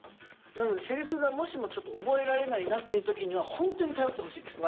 なので台詞がもしもちょっと覚えられないなっていう時にはホントに頼ってほしいです。